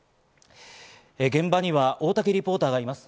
現場には大竹リポーターがいます。